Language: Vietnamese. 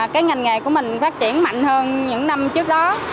cái ngành nghề của mình phát triển mạnh hơn những năm trước đó